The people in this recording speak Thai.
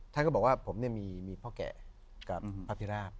ท่านก็บอกว่าผมมีพ่อแก่กับพระพิราบ